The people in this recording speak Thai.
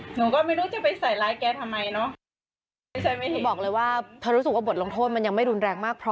หนูก็ไม่รู้จะไปใส่ไลค์แกทำไมเนอะบอกเลยว่าเธอรู้สึกว่าบทลงโทษมันยังไม่รุนแรงมากพอ